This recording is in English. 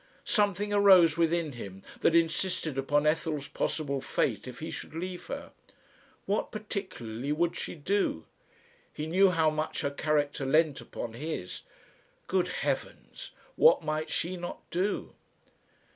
Something arose within him that insisted upon Ethel's possible fate if he should leave her. What particularly would she do? He knew how much her character leant upon his, Good Heavens! What might she not do?